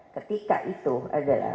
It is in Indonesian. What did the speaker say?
ketika itu adalah